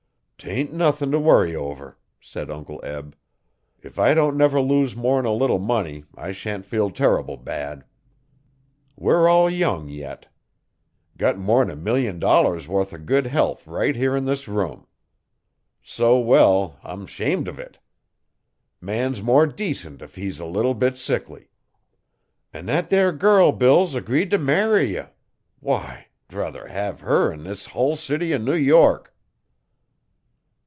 'Tain' nuthin'if worry over,' said Uncle Eb. 'If I don' never lose more'n a little money I shan't feel terrible bad. We're all young yit. Got more'n a million dollars wuth o' good health right here 'n this room. So well, I'm 'shamed uv it! Man's more decent if he's a leetle bit sickly. An' thet there girl Bill's agreed t'marry ye! Why! 'Druther hev her 'n this hull city o' New York.